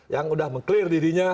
yang sudah meng clear dirinya